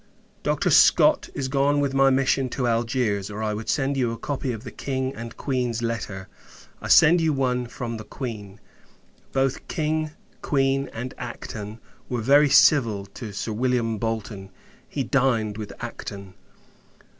Dr. Scott is gone with my mission to Algiers, or I would send you a copy of the King and Queen's letter. I send you one from the Queen. Both King, Queen, and Acton, were very civil to Sir William Bolton. He dined with Acton.